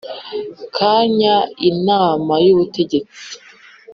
kanya Inama y Ubutegetsi